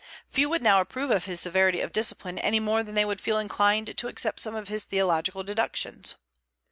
Few would now approve of his severity of discipline any more than they would feel inclined to accept some of his theological deductions.